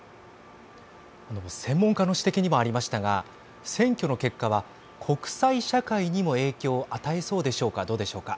専門家の指摘にもありましたが選挙の結果は国際社会にも影響を与えそうでしょうかどうでしょうか。